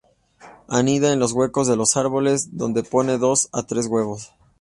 Anida en los huecos de los árboles, donde pone de dos a tres huevos.